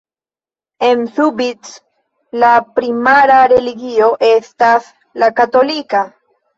En Subic la primara religio estas la katolika.